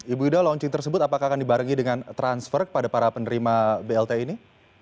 ibu ida launching tersebut apakah akan dibarengi dengan transfer pada para penerima blt ini